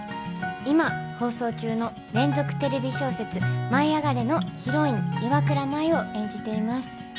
今放送中の連続テレビ小説「舞いあがれ！」のヒロイン岩倉舞を演じています。